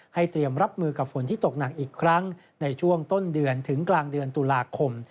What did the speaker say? เตรียมรับมือกับฝนที่ตกหนักอีกครั้งในช่วงต้นเดือนถึงกลางเดือนตุลาคม